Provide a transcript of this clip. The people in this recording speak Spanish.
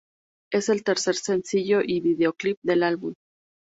Es el tercer sencillo y videoclip del álbum.